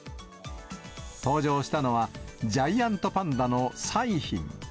登場したのは、ジャイアントパンダの彩浜。